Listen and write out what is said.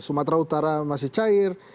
sumatera utara masih cair